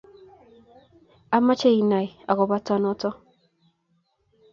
amoche inai akobo noto.